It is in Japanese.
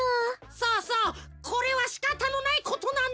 そうそうこれはしかたのないことなんだ。